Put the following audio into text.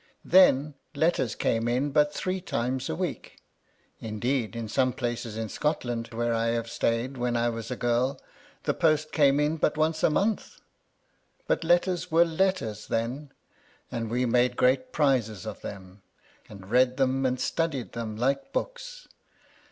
Then letters came in but three times a week: indeed, in some places in Scotland where I have stayed when I was a girl, the post came in but once a month ;— but letters were letters then ; and we made great prizes of them, and read them and studied them like books.